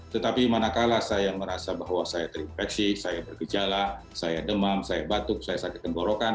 tetapi manakala saya merasa bahwa saya terinfeksi saya bergejala saya demam saya batuk saya sakit tenggorokan